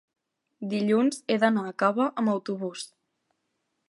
dilluns he d'anar a Cava amb autobús.